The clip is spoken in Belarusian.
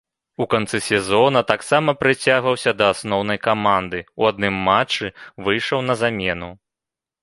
У канцы сезона таксама прыцягваўся да асноўнай каманды, у адным матчы выйшаў на замену.